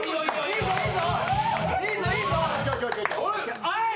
いいぞいいぞ。